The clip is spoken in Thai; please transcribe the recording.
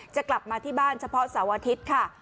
จะกลับมาที่บ้านเฉพาะเสาร์อาทิตย์ค่ะ